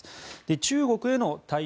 中国への対応